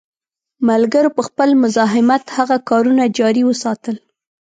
ملګرو په خپل مزاحمت هغه کارونه جاري وساتل.